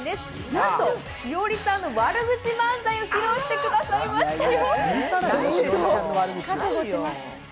なんと栞里さんの悪口漫才を披露してくださいましたよ。